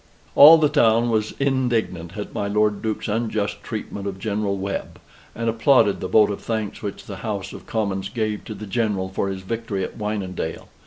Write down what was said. All the town was indignant at my Lord Duke's unjust treatment of General Webb, and applauded the vote of thanks which the House of Commons gave to the General for his victory at Wynendael.